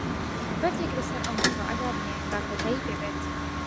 بەردێک لەسەر ئەو مەوزوعە دابنێ، با کۆتایی پێ بێت.